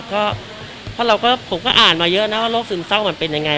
เพราะเราก็ผมก็อ่านมาเยอะนะว่าโรคซึมเศร้ามันเป็นยังไง